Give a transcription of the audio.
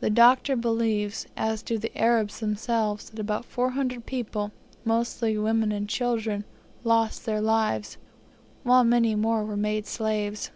The Doctor believes, as do the Arabs themselves, that about 400 people, mostly women and children, lost their lives, while many more were made slaves.